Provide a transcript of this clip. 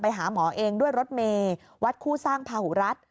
หาหมอเองด้วยรถเมย์วัดคู่สร้างภาหุรัฐ